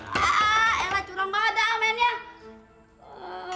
ah ella curang badang men ya